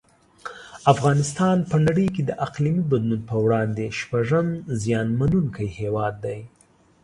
افغانستان په نړۍ کې د اقلیمي بدلون په وړاندې شپږم زیانمنونکی هیواد دی.